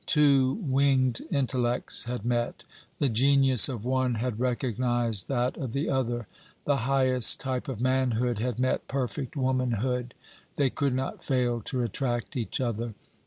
Two winged intellects had met. The genius of one had recognized that of the other. The highest type of manhood had met perfect womanhood. They could not fail to attract each other.